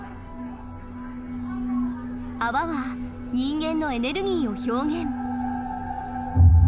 泡は人間のエネルギーを表現。